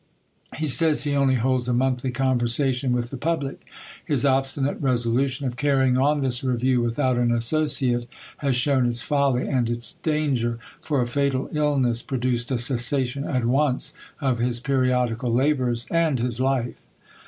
He says he only holds a monthly conversation with the public. His obstinate resolution of carrying on this review without an associate, has shown its folly and its danger; for a fatal illness produced a cessation, at once, of his periodical labours and his life.